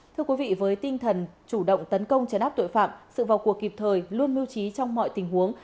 thưa quý vị với tinh thần chủ động tấn công chấn áp tội phạm sự vào cuộc kịp thời luôn mưu trí trong mọi tình huống